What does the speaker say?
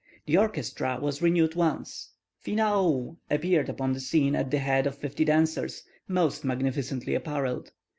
The orchestra was renewed once. Finaou appeared upon the scene at the head of fifty dancers, most magnificently apparelled.